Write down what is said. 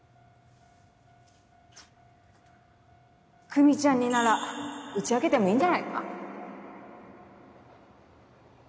久美ちゃんになら打ち明けてもいいんじゃないか？